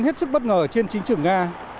hết sức bất ngờ trên chính trưởng nga